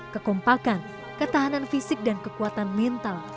kekompakan ketahanan fisik dan kekuatan mental